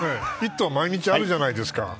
「イット！」は毎日あるじゃないですか。